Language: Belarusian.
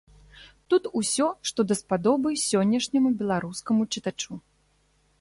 Тут усё, што даспадобы сённяшняму беларускаму чытачу.